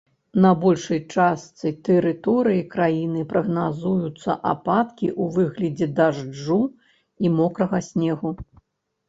На большай частцы тэрыторыі краіны прагназуюцца ападкі ў выглядзе дажджу і мокрага снегу.